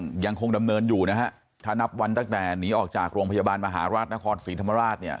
ยังคงดำเนินอยู่นะฮะถ้านับวันตั้งแต่หนีออกจากโรงพยาบาลมหาราชนครศรีธรรมราชเนี่ย